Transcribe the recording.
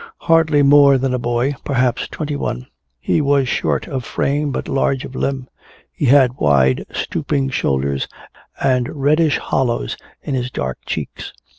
Hardly more than a boy, perhaps twenty one, he was short of frame but large of limb. He had wide stooping shoulders and reddish hollows in his dark cheeks.